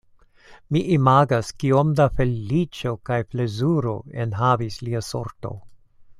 Mi imagas, kiom da feliĉo kaj plezuro enhavis lia sorto!